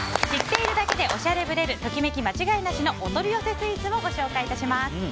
知っているだけでおしゃれぶれるときめき間違いなしのお取り寄せスイーツをご紹介致します。